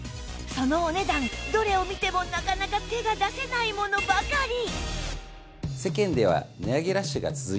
そのお値段どれを見てもなかなか手が出せないものばかり